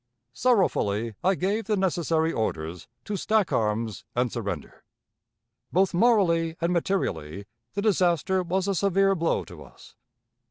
"Sorrowfully I gave the necessary orders to stack arms and surrender. ... "Both morally and materially the disaster was a severe blow to us.